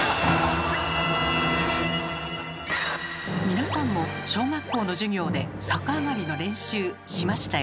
皆さんも小学校の授業で逆上がりの練習しましたよね？